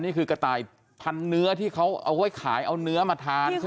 นี่คือกระต่ายพันเนื้อที่เขาเอาไว้ขายเอาเนื้อมาทานใช่ไหม